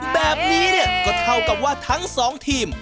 แบบนี้เนี่ยก็เท่ากับว่าทั้งสองทีม